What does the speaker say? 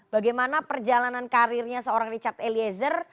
bagaimana perjalanan karirnya seorang richard eliezer